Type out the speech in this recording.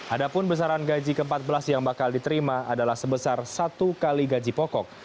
adapun besaran gaji ke empat belas yang bakal diterima adalah sebesar satu kali gaji pokok